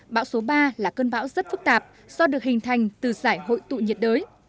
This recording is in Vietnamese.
bão số ba là cơn bão rất phức tạp do được hình thành từ giải hội tụ nhiệt đới